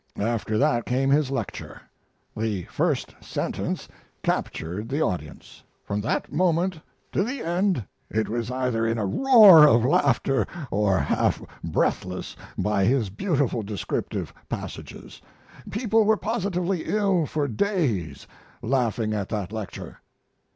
After that came his lecture. The first sentence captured the audience. From that moment to the end it was either in a roar of laughter or half breathless by his beautiful descriptive passages. People were positively ill for days, laughing at that lecture."